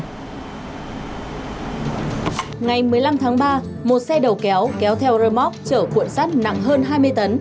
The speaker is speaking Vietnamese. ngày một mươi năm tháng ba một xe đầu kéo kéo theo rơ móc chở cuộn sắt nặng hơn hai mươi tấn